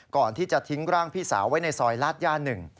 ก่อนที่จะทิ้งร่างพี่สาวไว้ในซอยลาดย่า๑